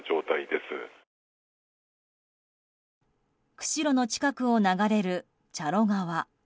釧路の近くを流れる茶路川。